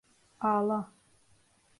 Ağla!